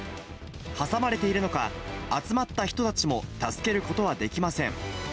挟まれているのか、集まった人たちも助けることはできません。